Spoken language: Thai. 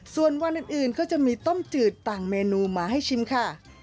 ส่วนวันอื่นก็จะมีต้มจืดต่างเมนูมาให้ชิมค่ะ